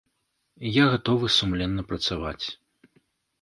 Я гатовы сумленна працаваць.